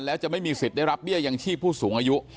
แล้วจะไม่มีสิทธิ์ได้รับเบี้ยยังชีพผู้สูงอายุ